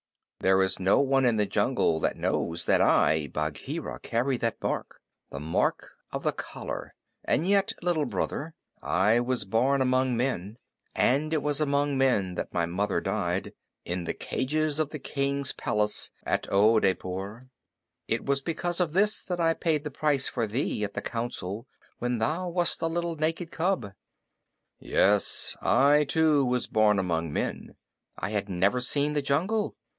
"There is no one in the jungle that knows that I, Bagheera, carry that mark the mark of the collar; and yet, Little Brother, I was born among men, and it was among men that my mother died in the cages of the king's palace at Oodeypore. It was because of this that I paid the price for thee at the Council when thou wast a little naked cub. Yes, I too was born among men. I had never seen the jungle.